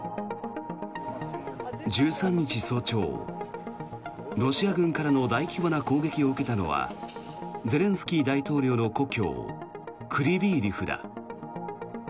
１３日早朝、ロシア軍からの大規模な攻撃を受けたのはゼレンスキー大統領の故郷クリビー・リフだ。